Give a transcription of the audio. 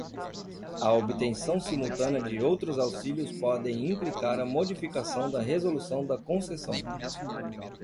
A obtenção simultânea de outros auxílios pode implicar a modificação da resolução da concessão.